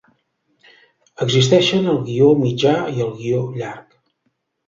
Existeixen el guió mitjà i el guió llarg.